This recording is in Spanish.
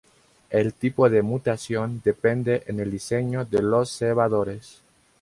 El tipo de mutación depende en el diseño de los cebadores.